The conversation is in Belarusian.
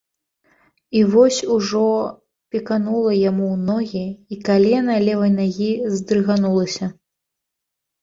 І вось ужо пеканула яму ў ногі, і калена левай нагі здрыганулася.